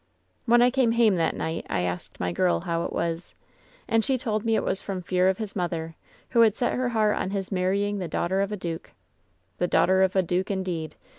"When I came hame that night I asked my girl how it was. And she told me it was from fear of his mother, who had set her heart on his marrying the daughter of a duke. The daughter of a duke, indeed.